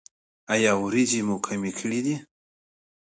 ایا وریجې مو کمې کړي دي؟